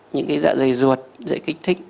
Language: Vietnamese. những cái dạ dày ruột dạy kích thích